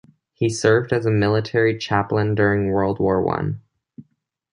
He served as a military chaplain during World War One.